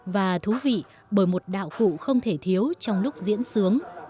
và thú vị bởi một đạo cụ không thể thiếu trong lúc diễn sướng